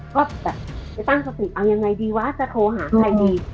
ก็แบบไปตั้งสติเอายังไงดีวะจะโทรหาใครดี